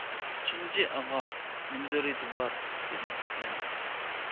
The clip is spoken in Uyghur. -ئۈچىنچى ئاغا، نېمە زۆرۈرىيىتى بار؟ -دېدىم مەن.